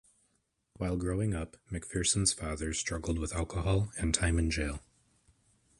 While growing up, McPherson's father struggled with alcohol and time in jail.